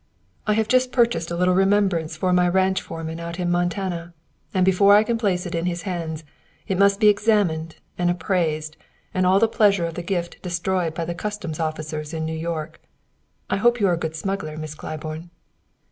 "I have just purchased a little remembrance for my ranch foreman out in Montana, and before I can place it in his hands it must be examined and appraised and all the pleasure of the gift destroyed by the custom officers in New York. I hope you are a good smuggler, Miss Claiborne."